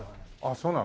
そうなの？